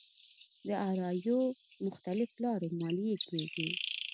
داراییو مختلف لارو ماليې کېږي.